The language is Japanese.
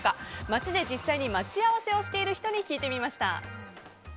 街で実際に待ち合わせをしている人に聞いてみました。